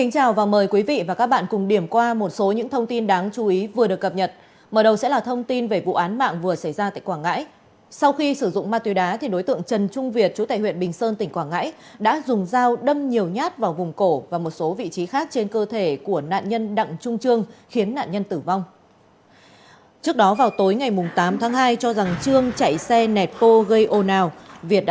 chào mừng quý vị đến với bộ phim hãy nhớ like share và đăng ký kênh của chúng mình nhé